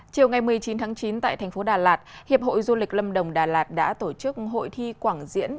chiều ngày một mươi chín tháng chín tại thành phố đà lạt hiệp hội du lịch lâm đồng đà lạt đã tổ chức hội thi quảng diễn